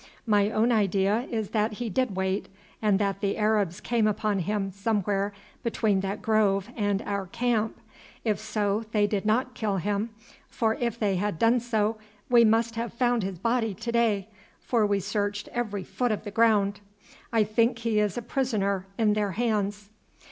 My own idea is that he did wait, and that the Arabs came upon him somewhere between that grove and our camp; if so, they did not kill him, for if they had done so we must have found his body to day, for we searched every foot of the ground. I think that he is a prisoner in their hands."